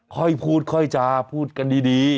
ค่อยพูดค่อยจาพูดกันดี